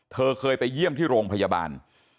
เธอเคยไปเยี่ยมที่โรงพยาบาล